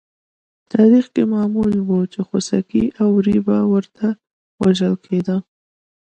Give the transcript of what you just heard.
تاریخ کې معمول وه چې خوسکي او وری وروسته وژل کېدل.